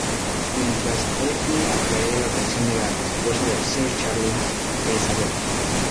Mientras, Effie atrae la atención de la esposa de Sir Charles, Elizabeth.